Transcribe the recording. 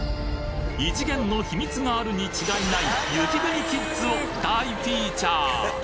異次元の秘密があるに違いない雪国キッズを大フィーチャー！